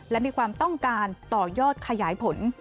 และมีความต้องการต่อยอดขยายผล